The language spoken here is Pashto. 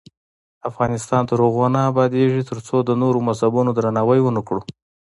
افغانستان تر هغو نه ابادیږي، ترڅو د نورو مذهبونو درناوی ونکړو.